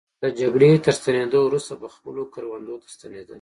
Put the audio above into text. له جګړې تر ستنېدو وروسته به خپلو کروندو ته ستنېدل.